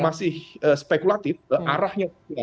masih spekulatif arahnya